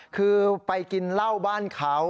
คือไปกินเหล้าบ้านเขา